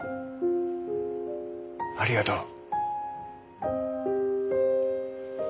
ありがとう。